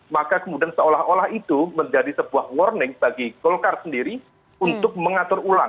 maka kemudian seolah olah itu menjadi sebuah warning bagi golkar sendiri untuk mengatur ulang